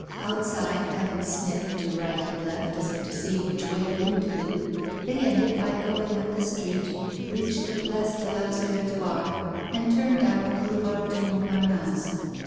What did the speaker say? Outside, having sniffed to right and left, as if to see which way the wind blew, they ended by going up the street, reached the Place de l'Observatoire, and turned down the Boulevard du Montparnasse.